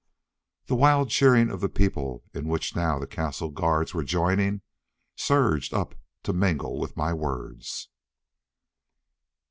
The wild cheering of the people, in which now the castle guards were joining, surged up to mingle with my words.